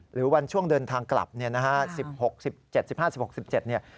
หรือวันช่วงเดินทางกลับนี่นะฮะ